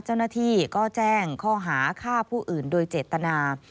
เจ้าหน้าที่ก็แจ้งข้อหาฆ่าผู้อื่นโดยเจตนา